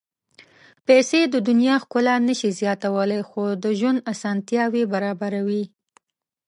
پېسې د دنیا ښکلا نه شي زیاتولی، خو د ژوند اسانتیاوې برابروي.